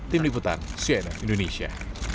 tim liputan siena indonesia